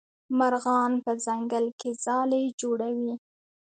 مرغان په ځنګل کې ځالې جوړوي.